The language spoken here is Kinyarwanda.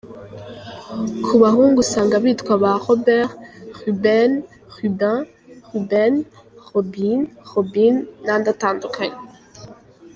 Ku bahungu usanga bitwa ba Robert, Reuben, Rubin, Reuben, Robbyn, Robyn n’andi atandukanye.